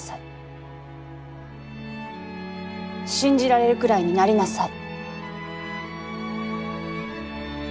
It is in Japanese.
信じられるくらいになりなさい。